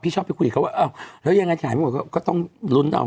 ชอบไปคุยกับเขาว่าอ้าวแล้วยังไงขายไม่หมดก็ต้องลุ้นเอา